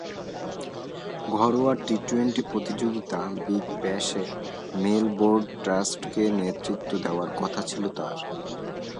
ঘরোয়া টি-টোয়েন্টি প্রতিযোগিতা বিগ ব্যাশে মেলবোর্ন স্টারসকে নেতৃত্ব দেওয়ার কথা ছিল তাঁর।